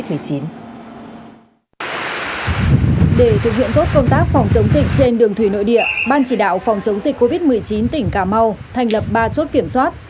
để thực hiện tốt công tác phòng chống dịch trên đường thủy nội địa ban chỉ đạo phòng chống dịch covid một mươi chín tỉnh cà mau thành lập ba chốt kiểm soát